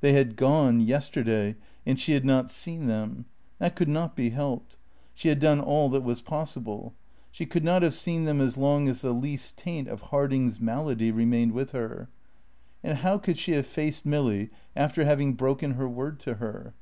They had gone yesterday and she had not seen them. That could not be helped. She had done all that was possible. She could not have seen them as long as the least taint of Harding's malady remained with her. And how could she have faced Milly after having broken her word to her?